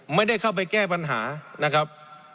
ไม่ได้เข้าไปแก้ปัญหานะครับ